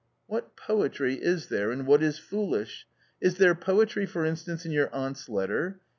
"What poetry is there in what is foolish? Is there poetry for instance in your aunt's letter